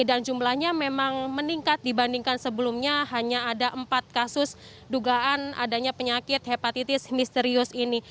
dan jumlahnya memang meningkat dibandingkan sebelumnya hanya ada empat kasus dugaan adanya penyakit hepatitis misterius ini